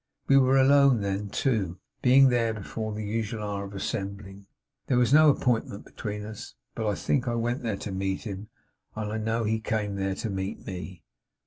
We were alone then, too; being there before the usual hour of assembling. There was no appointment between us; but I think I went there to meet him, and I know he came there to meet me.